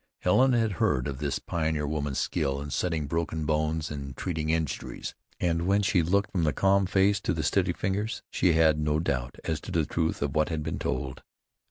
Helen had heard of this pioneer woman's skill in setting broken bones and treating injuries, and when she looked from the calm face to the steady fingers, she had no doubt as to the truth of what had been told.